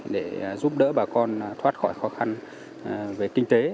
để giúp đỡ bà con thoát khỏi khó khăn về kinh tế